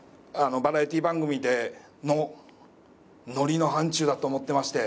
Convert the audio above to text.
バラエティー番組でのノリの範疇だと思ってまして。